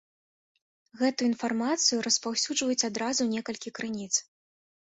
Гэтую інфармацыю распаўсюджваюць адразу некалькі крыніц.